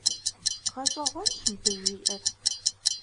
ГъэщӀэгъуэнщ мыбы жиӀэр!